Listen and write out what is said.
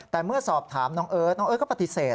แต่เมื่อสอบถามน้องเอิร์ทน้องเอิร์ทก็ปฏิเสธ